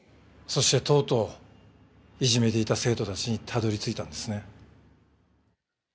そしてとうとういじめていた生徒たちにたどり着いたんですね。